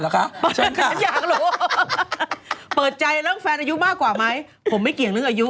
เขาคงหิว